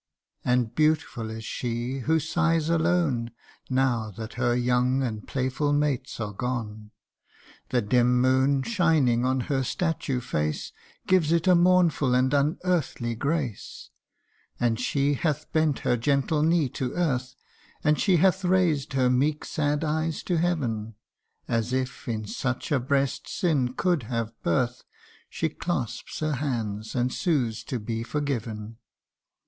And beautiful is she, who sighs alone Now that her young and playful mates are gone : The dim moon, shining on her statue face, Gives it a mournful and unearthly grace ; And she hath bent her gentle knee to earth ; And she hath raised her meek sad eyes to heaven As if in such a breast sin could have birth, She clasps her hands, and sues to be forgiven.